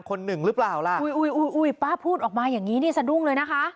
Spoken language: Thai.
คนหนึ่งหรือเปล่าล่ะอุ้ยอุ้ยป้าพูดออกมาอย่างนี้นี่สะดุ้งเลยนะคะ